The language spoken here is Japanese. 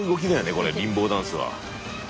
これリンボーダンスは。